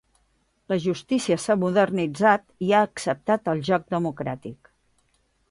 La justícia s'ha modernitzat i ha acceptat el joc democràtic.